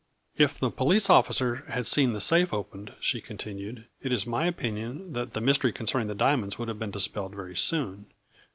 " If the police officer had seen the safe opened," she continued, " it is my opinion that the mystery concerning the diamonds would have been dispelled very soon.